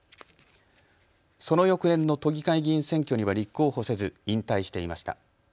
その翌年の都議会議員選挙には立候補せず引退していました。